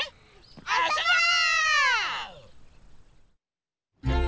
あそぼう！